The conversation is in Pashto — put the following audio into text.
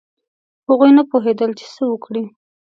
هغوی نه پوهېدل چې څه وکړي.